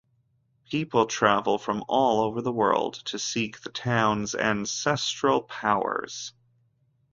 People travel from all over the world to seek the town’s ancestral powers.